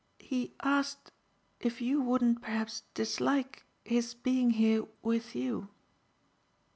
"He asked if you wouldn't perhaps dislike his being here with you."